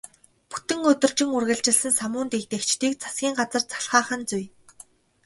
Бүтэн өдөржин үргэлжилсэн самуун дэгдээгчдийг засгийн газар залхаах нь зүй.